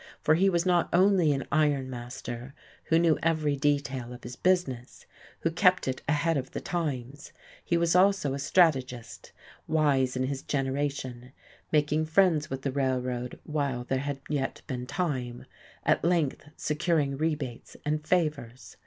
For he was not only an iron master who knew every detail of his business, who kept it ahead of the times; he was also a strategist, wise in his generation, making friends with the Railroad while there had yet been time, at length securing rebates and favours.